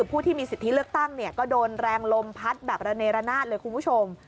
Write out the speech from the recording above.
ผู้ที่มีสิทธิเลือกตั้งก็โดนแรงลมพัดแบบระเนรนาศเลยคุณผู้ชม